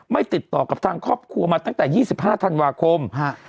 ติดต่อกับทางครอบครัวมาตั้งแต่๒๕ธันวาคม